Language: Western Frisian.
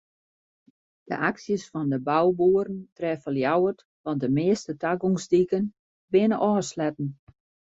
De aksjes fan de bouboeren treffe Ljouwert want de measte tagongsdiken binne ôfsletten.